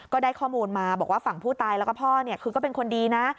ก็ได้ข้อมูลมาบอกว่าฝั่งผู้ตายแล้วก็พ่อคือก็เป็นคนดีนะ